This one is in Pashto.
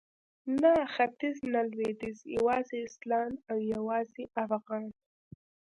نه ختیځ نه لویدیځ یوازې اسلام او یوازې افغان